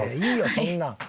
そんなん。